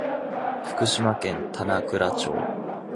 福島県棚倉町